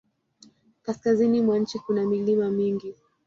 Kaskazini mwa nchi kuna milima mingi.